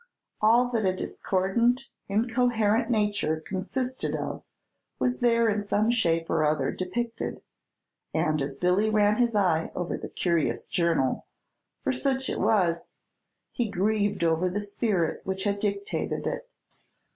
All that a discordant, incoherent nature consisted of was there in some shape or other depicted; and as Billy ran his eye over this curious journal, for such it was, he grieved over the spirit which had dictated it.